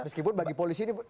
meskipun bagi polisi ini